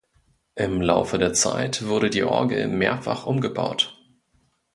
Im Laufe der Zeit wurde die Orgel mehrfach umgebaut.